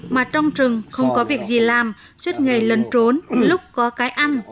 mà trong rừng không có việc gì làm suốt ngày lấn trốn lúc có cái ăn